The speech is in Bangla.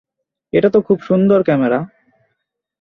এটা তো খুব সুন্দর ক্যামেরা।